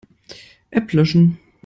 App löschen.